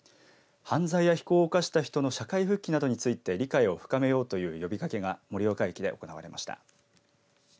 犯罪や非行を犯した人たちの社会復帰について理解を深めようという呼びかけが盛岡駅で行われました。